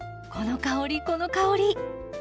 この香りこの香り！